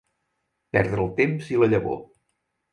Perdre el temps i la llavor.